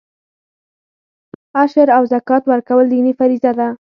عشر او زکات ورکول دیني فریضه ده.